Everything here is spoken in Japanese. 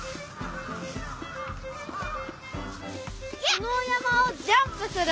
このおやまをジャンプする。